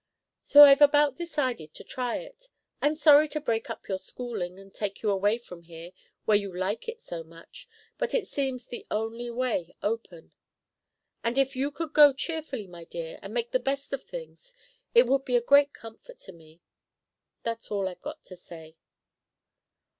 So I've about decided to try it. I'm sorry to break up your schooling, and to take you away from here, where you like it so much; but it seems the only way open. And if you could go cheerfully, my dear, and make the best of things, it would be a great comfort to me. That's all I've got to say."